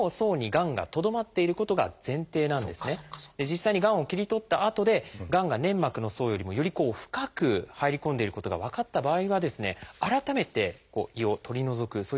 実際にがんを切り取ったあとでがんが粘膜の層よりもより深く入り込んでいることが分かった場合は改めて胃を取り除くそういったことをしなければいけなくなるんです。